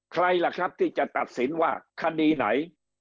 ใครล่ะครับที่จะตัดสินว่าคดีไหน